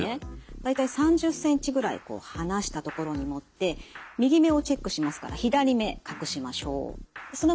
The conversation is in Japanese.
大体３０ｃｍぐらい離した所に持って右目をチェックしますから左目隠しましょう。